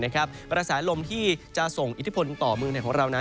กระแสลมที่จะส่งอิทธิพลต่อเมืองไทยของเรานั้น